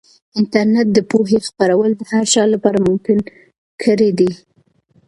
انټرنیټ د پوهې خپرول د هر چا لپاره ممکن کړي دي.